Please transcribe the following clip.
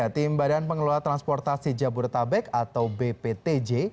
tim badan pengelola transportasi jabodetabek atau bptj